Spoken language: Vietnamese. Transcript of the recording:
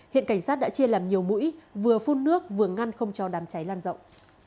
hiện cảnh sát đã chia làm nhiều mũi vừa phun nước vừa ngăn không cho đám cháy lan rộng